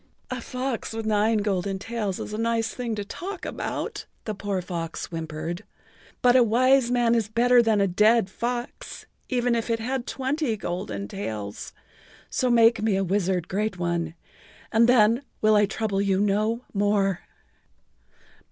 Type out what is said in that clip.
"A fox with nine golden tails is a nice thing to talk about," the poor fox whimpered, "but a wise man is better than a dead fox, even if it had twenty golden tails, so make me a wizard, Great One, and then will I trouble you no more."